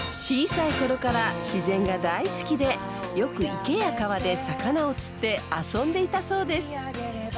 小さい頃から自然が大好きでよく池や川で魚を釣って遊んでいたそうです。